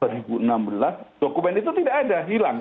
ketika dua ribu enam belas dokumen itu tidak ada hilang